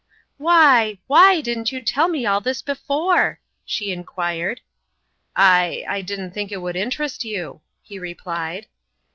" Why why didn't you tell me all this be fore ?" she inquired. " I I didn't think it would interest you," he replied.